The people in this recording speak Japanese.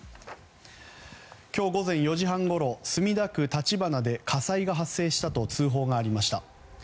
今日午前４時半ごろ墨田区立花で火災が発生したと通報がありました。